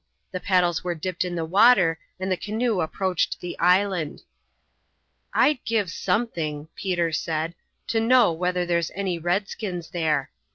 The paddles were dipped in the water and the canoe approached the island. "I'd give something," Peter said, "to know whether there's any redskins there.